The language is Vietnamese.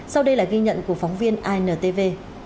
sau đây là ghi nhận của phóng viên intv